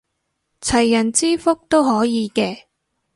齊人之福都可以嘅